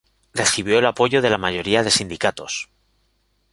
Recibió el apoyo de la mayoría de sindicatos.